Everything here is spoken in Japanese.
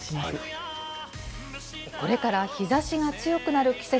これから日ざしが強くなる季節。